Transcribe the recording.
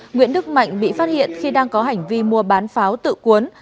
nguyễn đức mạnh bị phát hiện khi đang có hành vi mua bán pháo tự cuốn